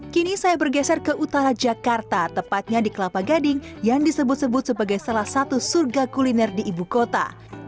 kini saya bergeser ke utara jakarta tepatnya di kelapa gading yang disebut sebut sebagai salah satu surga kuliner di ibu kota